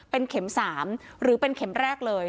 เป็นเข็ม๓หรือเป็นเข็มแรกเลย